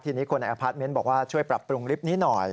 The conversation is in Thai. ทีนี้คนในอพาร์ทเมนต์บอกว่าช่วยปรับปรุงลิฟต์นี้หน่อย